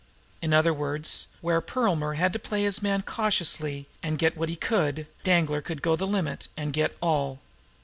In other words, where Perlmer had to play his man cautiously and get what he could, Danglar could go the limit and get all.